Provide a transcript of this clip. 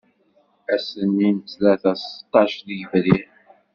Ass-nni n ttlata seṭṭac deg yebrir.